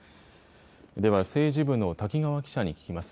では政治部の瀧川記者に聞きます。